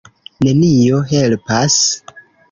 Nenio helpas.